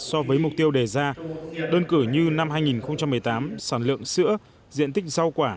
so với mục tiêu đề ra đơn cử như năm hai nghìn một mươi tám sản lượng sữa diện tích rau quả